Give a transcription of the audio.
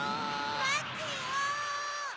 まってよ！